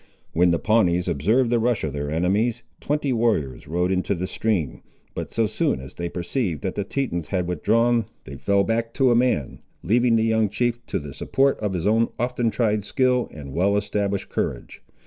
When the Pawnees observed the rush of their enemies, twenty warriors rode into the stream; but so soon as they perceived that the Tetons had withdrawn, they fell back to a man, leaving the young chief to the support of his own often tried skill and well established courage.